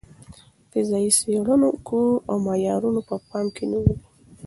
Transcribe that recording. فضايي څېړونکو اوه معیارونه په پام کې نیولي.